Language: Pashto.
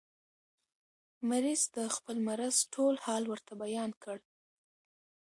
مریض د خپل مرض ټول حال ورته بیان کړ.